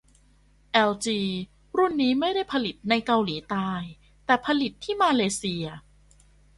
แอลจีรุ่นนี้ไม่ได้ผลิตในเกาหลีใต้ แต่ผลิตที่มาเลเซีย